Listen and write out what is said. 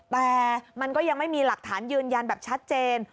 แต่มันก็ยังไม่มีหลักฐานยืนยันแบบชัดเจน